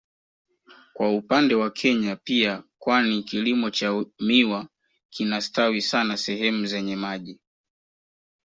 Kwa upande wa Kenya pia kwani kilimo cha miwa kinastawi sana sehemu zenye maji